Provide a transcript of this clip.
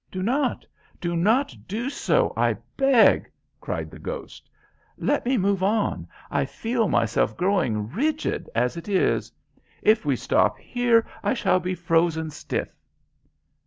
"Do not! Do not do so, I beg!" cried the ghost. "Let me move on. I feel myself growing rigid as it is. If we stop here, I shall be frozen stiff."